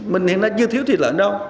mình hiện nay chưa thiếu thịt lợn đâu